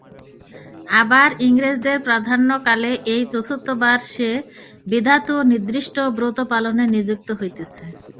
আবার ইংরেজের প্রাধান্যকালে এই চতুর্থবার সে বিধাতৃ-নির্দিষ্ট ব্রতপালনে নিযুক্ত হইতেছে।